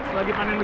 biar si ikannya